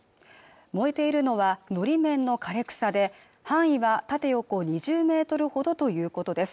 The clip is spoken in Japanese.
燃えているのはのり面の枯れ草で範囲は縦横２０ｍほどということです